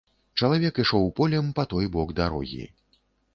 Чалавек ішоў полем па той бок дарогі.